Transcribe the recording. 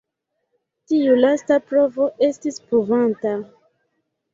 Tiu lasta provo estis pruvanta.